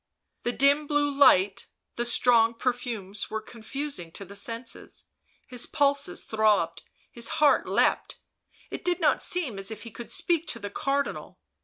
The dim blue light, the strong perfumes were con fusing to the senses; his pulses throbbed, his heart leapt; it did not seem as if he could speak to the Cardinal